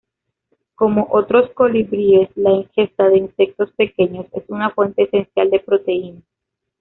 Como otros colibríes, la ingesta de insectos pequeños es una fuente esencial de proteínas.